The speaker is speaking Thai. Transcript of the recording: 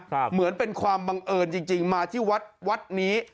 เหมือนเป็นความบังเอิญจริงมาที่วัดวัดนี้